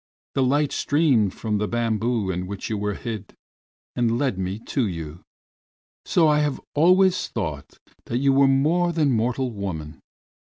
The light streamed from the bamboo in which you were hid and led me to you. So I have always thought that you were more than mortal woman.